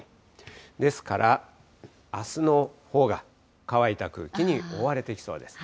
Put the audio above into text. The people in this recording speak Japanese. ですからあすのほうが乾いた空気に覆われていきそうです。